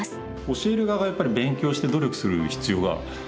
教える側がやっぱり勉強して努力する必要が常にあるので。